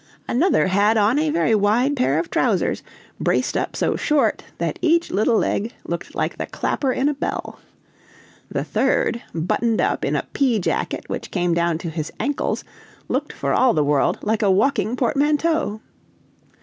Another had on a very wide pair of trousers, braced up so short that each little leg looked like the clapper in a bell. The third, buttoned up in a pea jacket which came down to his ankles, looked for all the world like a walking portmanteau.